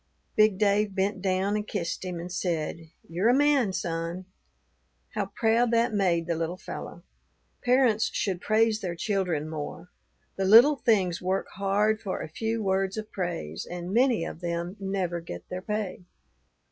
Big Dave bent down and kissed him, and said, 'You're a man, son.' How proud that made the little fellow! Parents should praise their children more; the little things work hard for a few words of praise, and many of them never get their pay.